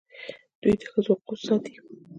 دوی د ښځو حقوق ساتي.